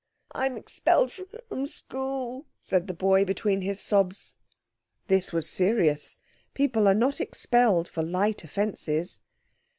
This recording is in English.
"I'm expelled from school," said the boy between his sobs. This was serious. People are not expelled for light offences.